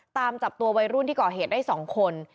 ตามจับตัววัยรุ่นที่ก่อเหตุได้๒คน